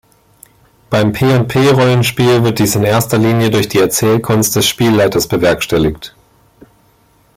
Beim P&P-Rollenspiel wird dies in erster Linie durch die Erzählkunst des Spielleiters bewerkstelligt.